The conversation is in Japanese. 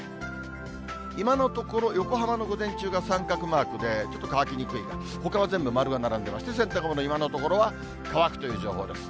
今のところ、横浜の午前中が三角マークで、ちょっと乾きにくい、ほかは全部丸が並んでいまして、洗濯物、今のところは乾くという情報です。